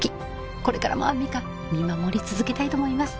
これからもアンミカ見守り続けたいと思います